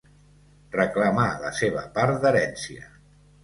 Reclamar la seva part d'herència.